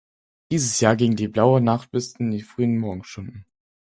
Dieses Jahr ging die Blaue Nacht bis in die frühen Morgenstunden.